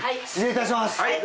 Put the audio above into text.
失礼いたします。